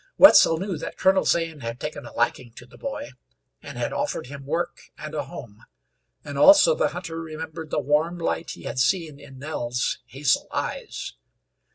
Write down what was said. Wetzel knew that Colonel Zane had taken a liking to the boy, and had offered him work and a home; and, also, the hunter remembered the warm light he had seen in Nell's hazel eyes.